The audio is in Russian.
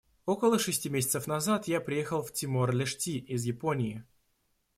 Около шести месяцев назад я приехала в Тимор-Лешти из Японии.